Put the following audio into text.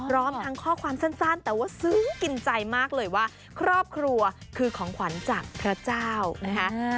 พร้อมทั้งข้อความสั้นแต่ว่าซึ้งกินใจมากเลยว่าครอบครัวคือของขวัญจากพระเจ้านะคะ